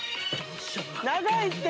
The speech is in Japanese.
・長いって！